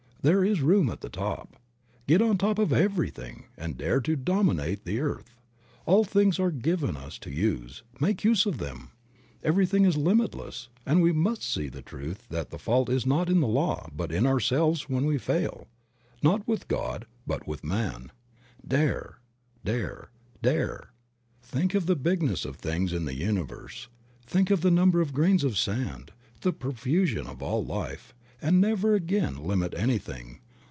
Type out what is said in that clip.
There is room at the top. Get on top of everything, and dare to dominate the earth. All things are given us to use; make use of them. Everything is limitless, and we must see the truth that the fault is not in the Law but in ourselves when we fail. Not with God but with man. Dare, Dare, Dare. Think of the bigness of things in the universe, think of the number of grains of sand, the profusion of all life, and never again limit anything.